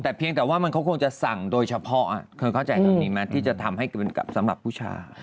แต่เพียงแต่ว่ามันเขาคงจะสั่งโดยเฉพาะเธอเข้าใจแบบนี้ไหมที่จะทำให้เกินกับสำหรับผู้ชาย